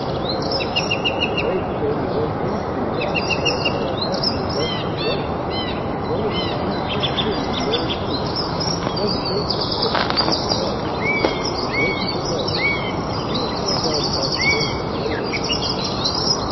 "I'm afraid there's only one thing to do," Robinson answered. "I'll have to arrest you both. One of you used this pin in the old room. It doesn't make much difference which one. You've been working together, and we'll find out about Paredes later."